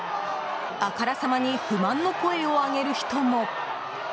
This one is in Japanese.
あからさまに不満の声を上げる人も。